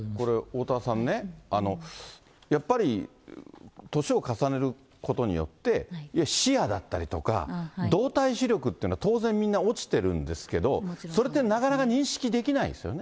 おおたわさんね、やっぱり年を重ねることによって、視野だったりとか、動体視力っていうのは当然みんな落ちてるんですけれども、それってなかなか認識できないですよね。